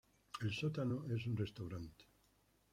El sótano es un restaurante.